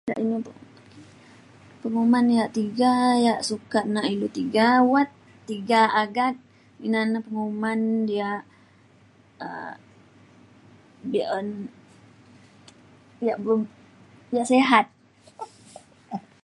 [unintelligible] penguman ya' tiga ya' sukat nak ilu tiga wat tiga agat ina na penguman ya' um be'un ya' un ya sihat.